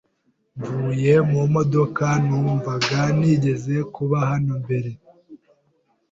Mvuye mu modoka, numvaga nigeze kuba hano mbere.